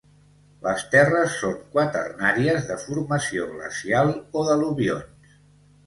Les terres són quaternàries de formació glacial o d'al·luvions.